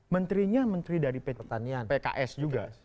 menterinya menteri dari pertanian pks juga